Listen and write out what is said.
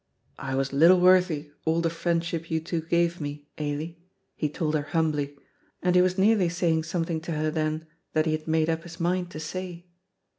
"I was little worthy all the friendship you two gave me, Ailie," he told her humbly, and he was nearly saying something to her then that he had made up his mind to say.